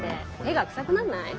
手が臭くなんない？